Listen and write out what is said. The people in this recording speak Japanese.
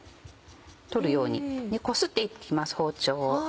取るようにこすっていきます包丁を。